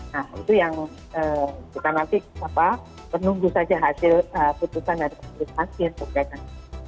nah itu yang kita nanti menunggu saja hasil keputusan dari persidangan yang diperbaikan